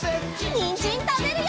にんじんたべるよ！